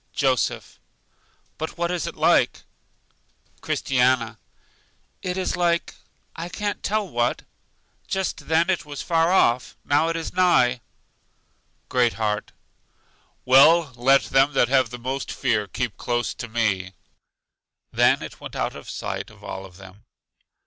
Joseph: But what is it like? Christiana: It is like I can't tell what. Just then it was far off, now it is nigh. Great heart: Well, let them that have the most fear keep close to me. Then it went out of sight of all of them.